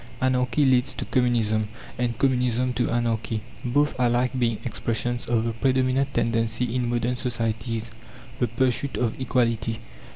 Anarchy leads to Communism, and Communism to Anarchy, both alike being expressions of the predominant tendency in modern societies, the pursuit of equality.